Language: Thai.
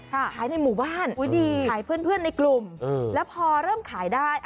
ขายในหมู่บ้านขายเพื่อนในกลุ่มแล้วพอเริ่มขายได้